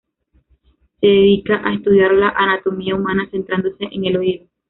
Se dedica a estudiar la anatomía humana, centrándose en el oído.